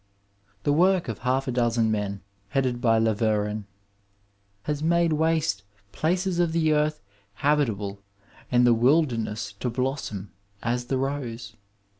The work of half a dozen men, headed by Laveran, has made waste places of the earth habitable and the wilderness to blossom as the rose.